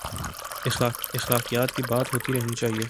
اخلاقیات کی بات ہوتی رہنی چاہیے۔